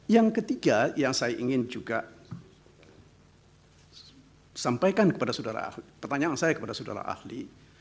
yang ketiga yang saya ingin juga sampaikan kepada pertanyaan saya kepada saudara ahli